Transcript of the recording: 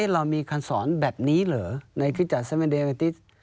เรามีคันสอนแบบนี้เหรอในคริสตเซเมนเดเวติส